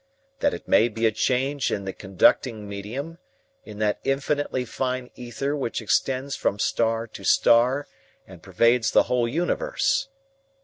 That it may be a change in the conducting medium, in that infinitely fine ether which extends from star to star and pervades the whole universe.